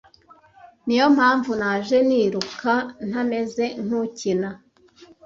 Ni yo mpamvu nanjye niruka ntameze nk’ukina